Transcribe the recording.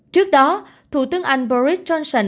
trước đó thủ tướng anh boris johnson